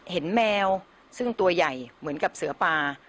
แมวซึ่งตัวใหญ่เหมือนกับเสือปลา